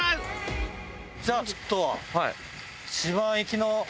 じゃあちょっと。